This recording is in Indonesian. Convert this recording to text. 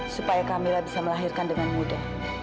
supaya camillah bisa melahirkan dengan mudah